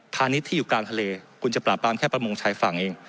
ณิชย์ที่อยู่กลางทะเลคุณจะปราบปรามแค่ประมงชายฝั่งเอง